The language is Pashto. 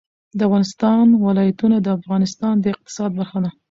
د افغانستان ولايتونه د افغانستان د اقتصاد برخه ده.